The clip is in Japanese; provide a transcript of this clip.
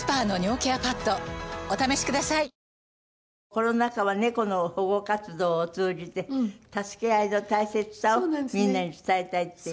コロナ禍は猫の保護活動を通じて助け合いの大切さをみんなに伝えたいっていう。